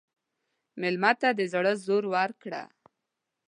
مېلمه ته د زړه زور ورکړه.